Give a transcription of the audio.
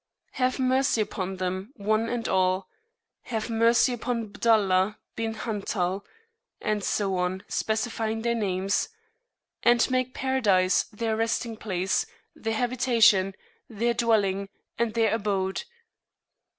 Have Mercy upon them, One and All! [p.43] Have Mercy upon bdullah bin Hantal (and so on, specifying their names), and make Paradise their Resting place, their Habitation, their Dwelling, and their Abode!